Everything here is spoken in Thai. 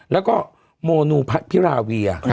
และก็มโนภพิราเวีย